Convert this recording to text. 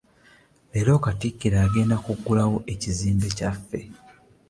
Leero katikkiro agenda kugulawo ekizimbe kyaffe.